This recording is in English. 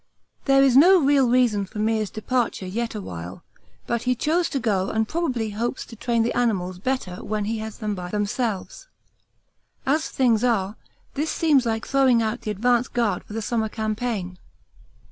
There is no real reason for Meares' departure yet awhile, but he chose to go and probably hopes to train the animals better when he has them by themselves. As things are, this seems like throwing out the advance guard for the summer campaign.